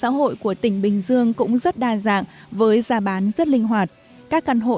mô hình nhà ở xã hội của tỉnh bình dương cũng rất đa dạng với giá bán rất linh hoạt các căn hộ